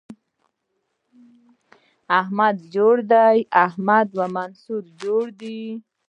احمد جوړ دی → احمد او محمود جوړ دي